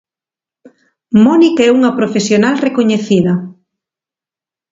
Mónica é unha profesional recoñecida.